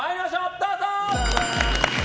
どうぞ！